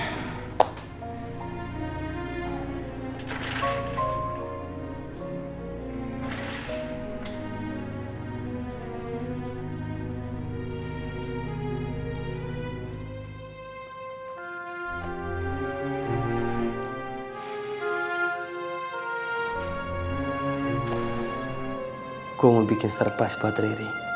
aku mau bikin serpas buat riri